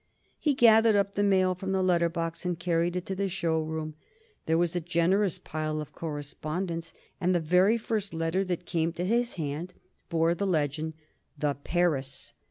He gathered up the mail from the letter box and carried it to the show room. There was a generous pile of correspondence, and the very first letter that came to his hand bore the legend, "The Paris.